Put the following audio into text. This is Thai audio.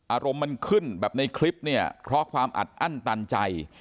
อารมณ์มันขึ้นแบบในคลิปเนี่ยเพราะความอัดอั้นตันใจ